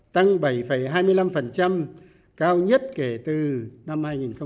tăng bảy hai mươi năm cao nhất kể từ năm hai nghìn tám